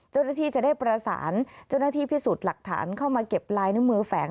เจ้าหน้าที่จะได้ประสานเจ้าหน้าที่พิสูจน์หลักฐานเข้ามาเก็บลายนิ้วมือแฝง